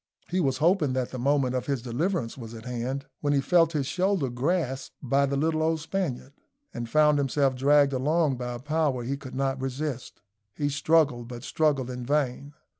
He was hoping that the moment of his deliverance was at hand, when he felt his shoulder grasped by the little old Spaniard, and found himself dragged along by a power he could not resist. He struggled, but struggled in vain.